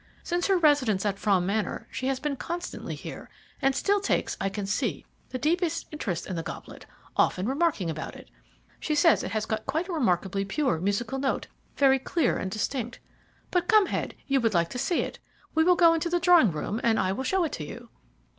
Since her residence at Frome Manor she has been constantly here, and still takes, I can see, the deepest interest in the goblet, often remarking about it. She says it has got a remarkably pure musical note, very clear and distinct. But come, Head, you would like to see it. We will go into the drawing room, and I will show it to you."